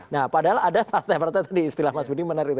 nah padahal ada partai partai tadi istilah mas budi menarik itu